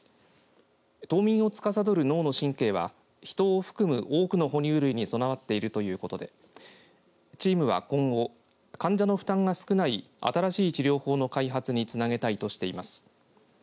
冬眠をつかさどる脳の神経はヒトを含む多くの哺乳類に備わっているということでチームは今後患者の負担が少ない新しい治療法の開発につなげたいとしています。